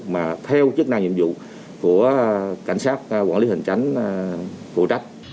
mà theo chức năng nhiệm vụ của cảnh sát quản lý hành tránh phụ trách